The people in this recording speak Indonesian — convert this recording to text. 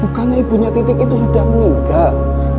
bukannya ibunya titik itu sudah meninggal